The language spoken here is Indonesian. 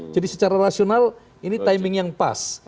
jadi secara rasional ini timing yang pas